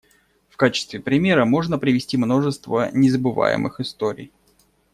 В качестве примера можно привести множество незабываемых историй.